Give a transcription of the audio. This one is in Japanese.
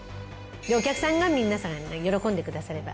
お客さんが皆さん喜んでくだされば。